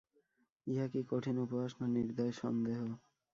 ইহা কি কঠিন উপহাস, না নির্দয় সন্দেহ?